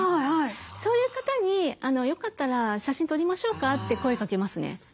そういう方に「よかったら写真撮りましょうか？」って声かけますね。